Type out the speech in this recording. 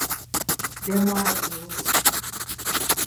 Dêr mei ik wol oer.